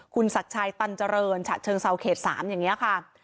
คุณศักดิ์ชัยตันเจริญฉะเชิงเซาเขต๓อย่างนี้ค่ะ